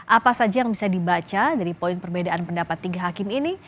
apa saja yang bisa dibaca dari poin perbedaan pendapat tiga hakim ini